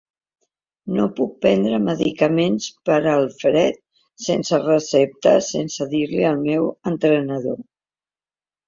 No puc prendre medicaments per al fred sense recepta sense dir-li al meu entrenador.